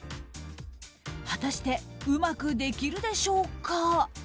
果たしてうまくできるでしょうか。